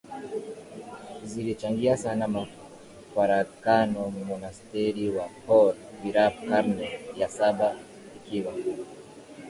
zilichangia sana mafarakano Monasteri ya Khor Virap karne ya Saba ikiwa